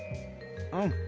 うん。